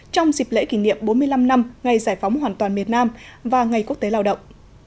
trong dịp lễ kỷ niệm bốn mươi năm năm ngày giải phóng hoàn toàn miền nam và ngày quốc tế lao động